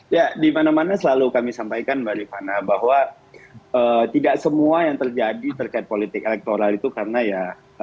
ya di mana mana selalu kami sampaikan mbak rifana bahwa tidak semua yang terjadi terkait politik elektoral itu karena ya